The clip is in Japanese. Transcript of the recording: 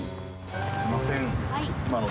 すみません。